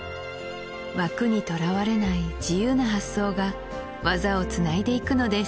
枠にとらわれない自由な発想が技をつないでいくのです